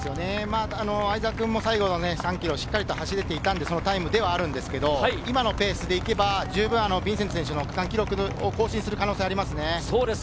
相澤君も最後の３ｋｍしっかりと走れていたんで、このタイムではあるんですが今のペースでいけば、十分ヴィンセント選手の区間記録を更新する可能性はありますね。